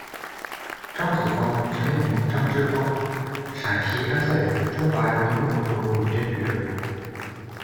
张子芳，曾用名张芝芳，陕西安塞人，中华人民共和国女政治人物。